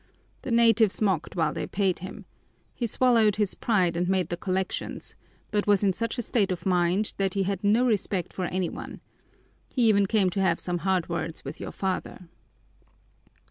The natives mocked while they paid him. He swallowed his pride and made the collections, but was in such a state of mind that he had no respect for any one. He even came to have some hard words with your father.